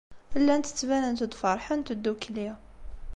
Llant ttbanent-d feṛḥent ddukkli.